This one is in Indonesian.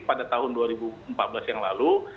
pada tahun dua ribu empat belas yang lalu